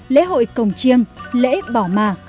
lễ hội cổng chiêng lễ bảo mà